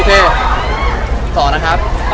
โอเคต่อนะครับ